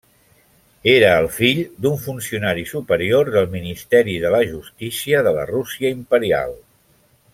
Era el fill d'un funcionari superior del Ministeri de la Justícia de la Rússia Imperial.